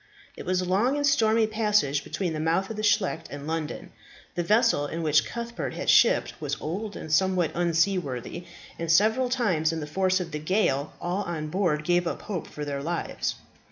It was a long and stormy passage between the mouth of the Scheldt and London. The vessel in which Cuthbert had shipped was old and somewhat unseaworthy, and several times in the force of the gale all on board gave up hope for their lives.